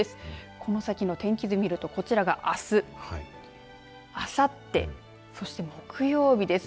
この先の天気図を見るとこちらがあすあさってそして、木曜日です。